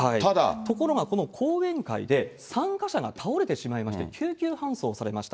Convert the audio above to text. ところがこの講演会で、参加者が倒れてしまいまして、救急搬送されました。